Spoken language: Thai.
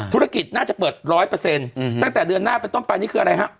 ธุรกิจน่าจะเปิดร้อยเปอร์เซ็นต์อืมตั้งแต่เดือนหน้าเป็นต้นไปนี่คืออะไรฮะ